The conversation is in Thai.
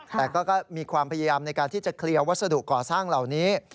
แต่ก็มีความพยายามในการที่จะเคลียร์วัสดุก่อสร้างเหล่านี้